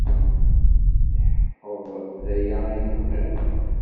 Tetḥeqqeḍ d aya ay tebɣiḍ?